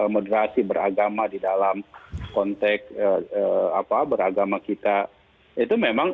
mederasi beragama di dalam konteks beragama kita